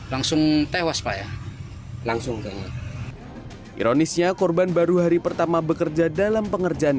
langsung tewas pak ya langsung ke ironisnya korban baru hari pertama bekerja dalam pengerjaan